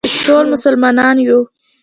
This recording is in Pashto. ټول مسلمانان یو